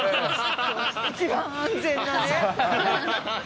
一番安全なね。